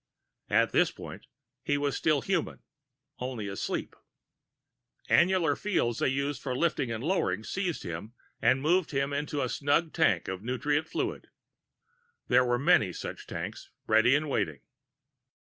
At this point, he was still human; only asleep. He remained "asleep." Annular fields they used for lifting and lowering seized him and moved him into a snug tank of nutrient fluid. There were many such tanks, ready and waiting.